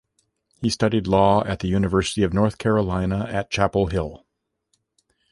He studied law at the University of North Carolina at Chapel Hill.